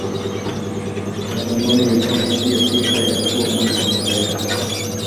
Bagamoyo imepata pia sifa ya kuwa moja ya bandari kuu